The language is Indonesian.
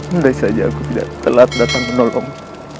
andai saja aku tidak telat datang menolongmu